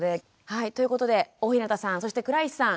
はいということで大日向さんそして倉石さん